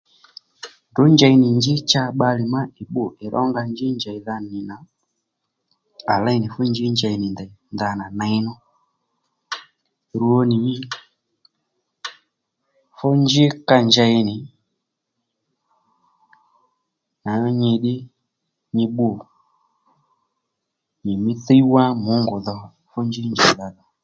Ndrǔ njey nì njí cha bbalè má ì bbû ì rónga njí njèydha nì nà à léy nì fú njí njey nì ndèy ndanà ney nú rwo nì mî fú njí ka njey nì nǎŋú nyi ddí nyi bbû nyìmí thíy wá mungu dho fú njí njèydha dhò